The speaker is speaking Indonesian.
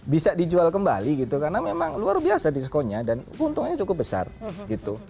bisa dijual kembali gitu karena memang luar biasa diskonnya dan untungnya cukup besar gitu